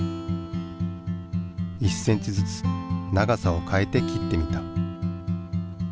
１ｃｍずつ長さを変えて切ってみた。